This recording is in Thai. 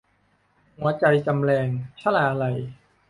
หัวใจจำแลง - ชลาลัย